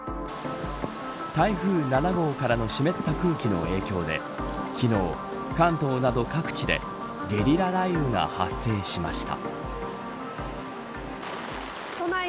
台風７号からの湿った空気の影響で昨日、関東など各地でゲリラ雷雨が発生しました。